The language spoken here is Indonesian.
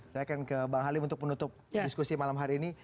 saya akan ke bang halim untuk menutup diskusi malam hari ini